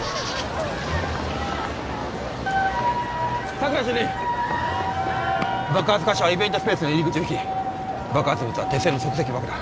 佐久良主任爆発箇所はイベントスペースの入り口付近爆発物は手製の即席爆弾